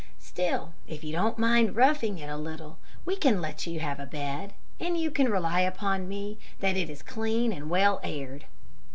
Still, if you don't mind roughing it a little, we can let you have a bed, and you can rely upon me that it is clean and well aired.'